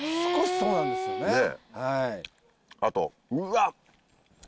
少しそうなんですよね。